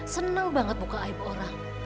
senang banget buka aib orang